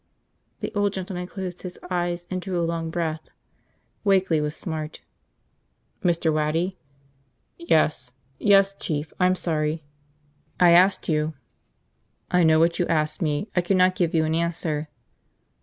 The old gentleman closed his eyes and drew a long breath. Wakeley was smart. "Mr. Waddy?" "Yes. Yes, Chief. I'm sorry." "I asked you ..." "I know what you asked me. I cannot give you an answer."